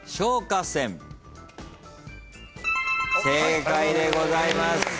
正解でございます。